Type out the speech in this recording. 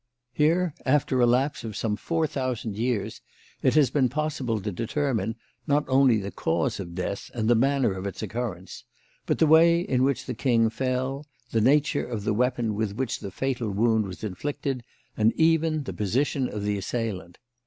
Here, after a lapse of some four thousand years, it has been possible to determine, not only the cause of death and the manner of its occurrence, but the way in which the king fell, the nature of the weapon with which the fatal wound was inflicted, and even the position of the assailant.